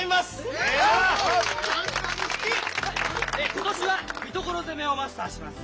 今年は三所攻めをマスターします。